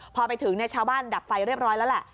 พอไปถึงชาวบ้านดับไฟเรียบร้อยแล้วแหละ